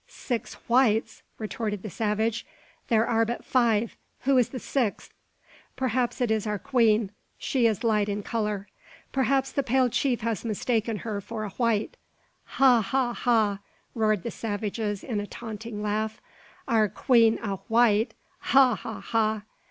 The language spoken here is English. "Six whites!" retorted the savage; "there are but five. Who is the sixth?" "Perhaps it is our queen; she is light in colour. Perhaps the pale chief has mistaken her for a white!" "Ha! ha! ha!" roared the savages, in a taunting laugh. "Our queen a white! Ha! ha! ha!"